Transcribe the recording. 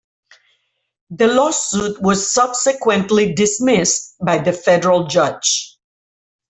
The lawsuit was subsequently dismissed by the Federal judge.